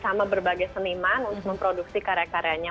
sama berbagai seniman untuk memproduksi karya karyanya